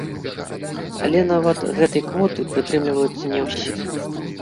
Але нават гэтай квоты прытрымліваюцца не ўсе.